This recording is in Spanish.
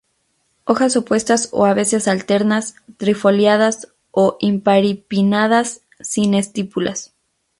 Hojas opuestas o a veces alternas, trifoliadas o imparipinnadas, sin estípulas.